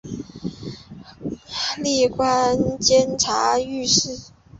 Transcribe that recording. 历官监察御史。